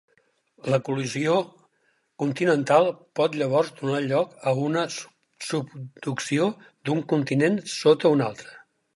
La col·lisió continental pot llavors donar lloc a una subducció d'un continent sota un altre.